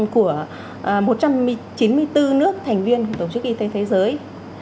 của một trăm chín mươi bốn nước thành viên của tổ chức y tế thế giới